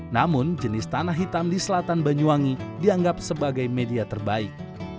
namun jenis tanah hitam di selatan banyuwangi dianggap sebagai media terbaik